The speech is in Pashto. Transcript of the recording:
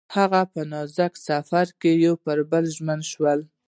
هغوی په نازک سفر کې پر بل باندې ژمن شول.